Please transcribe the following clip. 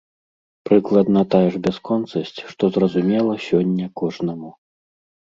Прыкладна тая ж бясконцасць, што зразумела сёння кожнаму.